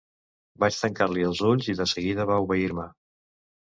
Vaig tancar-li els ulls i de seguida va obeir-me.